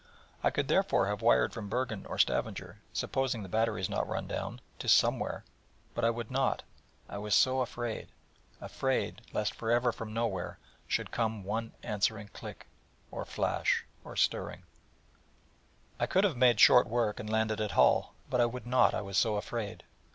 I could therefore have wired from Bergen or Stavanger, supposing the batteries not run down, to somewhere: but I would not: I was so afraid; afraid lest for ever from nowhere should come one answering click, or flash, or stirring.... I could have made short work, and landed at Hull: but I would not: I was so afraid.